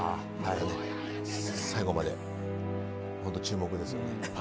最後まで注目ですよね。